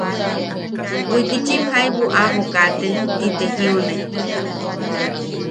Wikichim jaibu aʼabo kaate ti te jiune.